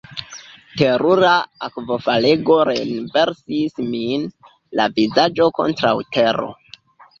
Terura akvofalego renversis min, la vizaĝo kontraŭ tero.